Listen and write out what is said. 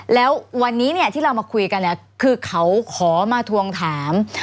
แล้ววันนี้ที่เรามาคุยกันคือเขาขอมาทวงถาม